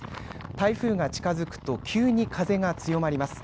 台風が近づくと急に風が強まります。